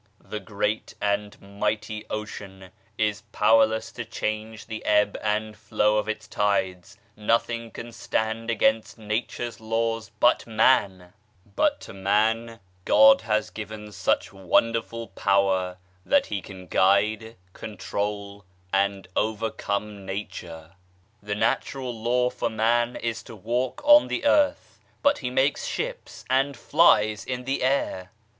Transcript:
The great and mighty ocean is power PASTOR WAGNER'S CHURCH 113 less to change the ebb and flow of its tides nothing can stand against Nature's laws but man \ But to man God has given such wonderful power that he can guide, control and overcome Nature. The natural law for man is to walk on the earth, but he makes ships and flies in the air